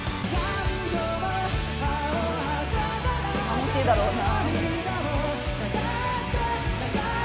楽しいだろうな。